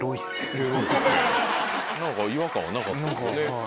何か違和感なかったねっ。